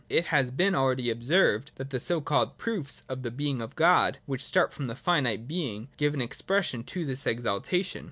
It has been already observed, that the so called proofs of the being of God, which start from finite being, give an expression to this exaltation.